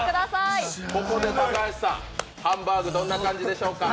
ここでハンバーグどんな感じでしょうか。